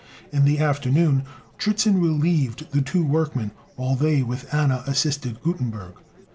In the afternoon Dritzhn relieved the two workmen, while they with Anna assisted Gutenberg.